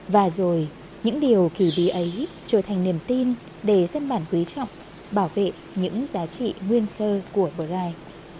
và rồi những điều kỳ bí ấy trở thành niềm tin để dân bản quý trọng bảo vệ những giá trị nguyên sơ của bờ gai